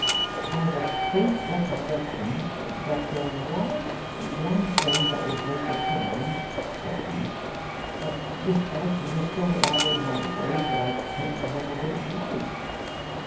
"I've a faint recollection that there was one thing that would break the charm," said he; "but misfortune has so addled my brain that I can't remember what it was."